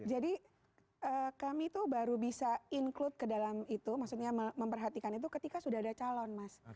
kami itu baru bisa include ke dalam itu maksudnya memperhatikan itu ketika sudah ada calon mas